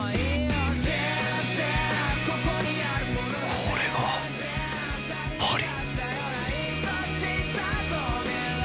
これがパリ！